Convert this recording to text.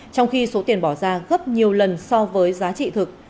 trong khi số tiền bỏ ra gấp nhiều lần so với giá trị thực